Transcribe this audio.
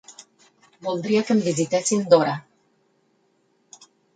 Voldria que em visitessin d'hora.